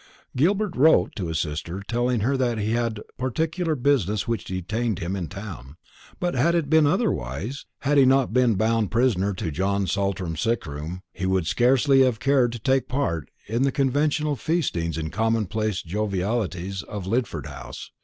Gilbert wrote: to his sister telling her that he had particular business which detained him in town. But had it been otherwise, had he not been bound prisoner to John Saltram's sick room, he would scarcely have cared to take his part in the conventional feastings and commonplace jovialities of Lidford House.